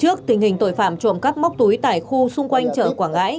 trước tình hình tội phạm trộm cắp móc túi tại khu xung quanh chợ quảng ngãi